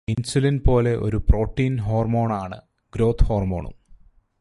Insulin പോലെ ഒരു protein ഹോർമോണാണ് ഗ്രോത് ഹോർമോണും.